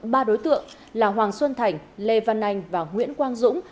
ba đối tượng là hoàng xuân thành lê văn anh và nguyễn quang dũng